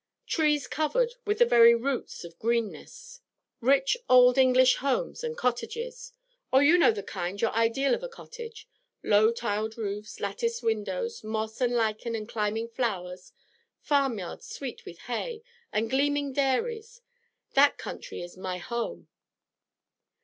trees covered to the very roots with greenness; rich old English homes and cottages oh, you know the kind your ideal of a cottage low tiled roofs, latticed windows, moss and lichen and climbing flowers. Farmyards sweet with hay, and gleaming dairies. That country is my home!'